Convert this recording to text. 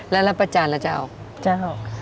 แล้วลับประจานล่ะจ๊ะอาว